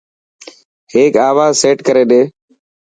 هڪ آواز سيٽ ڪري ڏي.